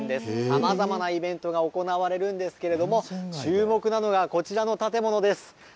さまざまなイベントが行われるんですけれども注目なのが、こちらの建物です。